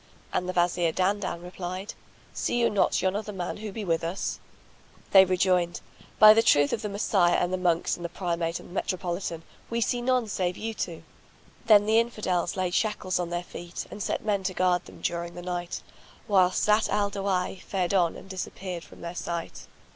And the Wazir Dandan replied, "See you not yon other man who be with us?" They rejoined, "By the truth of the Messiah and the Monks and the Primate and the Metropolitan, we see none save you two!" Then the Infidels laid shackles on their feet and set men to guard them during the night, whilst Zat al Dawahi fared on and disappeared from their sight.